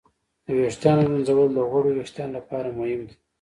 د ویښتانو ږمنځول د غوړو وېښتانو لپاره مهم دي.